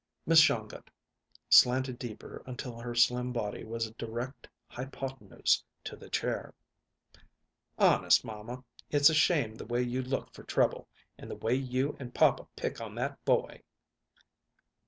Miss Shongut slanted deeper until her slim body was a direct hypotenuse to the chair. "Honest, mamma, it's a shame the way you look for trouble, and the way you and papa pick on that boy."